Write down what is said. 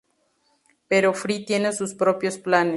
Pero Fry tiene sus propios planes.